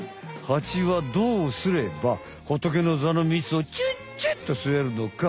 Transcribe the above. ハチはどうすればホトケノザのみつをチュッチュッとすえるのか？